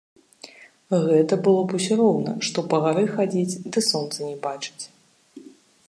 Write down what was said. Гэта было б усё роўна, што па гары хадзіць, ды сонца не бачыць.